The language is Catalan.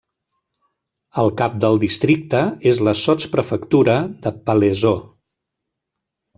El cap del districte és la sotsprefectura de Palaiseau.